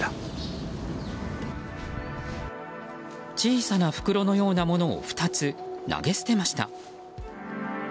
小さな袋のようなものを２つ投げ捨てました。